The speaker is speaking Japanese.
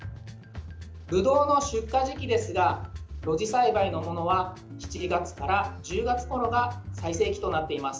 ぶどうの出荷時期ですが露地栽培のものは７月から１０月ごろが最盛期となっています。